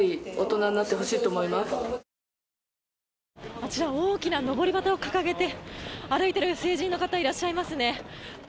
あちら大きなのぼり旗を掲げて歩いている成人の方がいらっしゃいますね。